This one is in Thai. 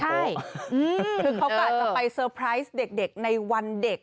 ใช่คือเขาก็อาจจะไปเซอร์ไพรส์เด็กในวันเด็ก